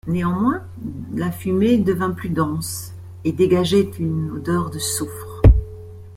Néanmoins la fumée devint plus dense et dégageait une odeur de soufre.